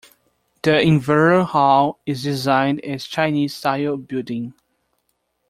The inverter hall is designed as Chinese style building.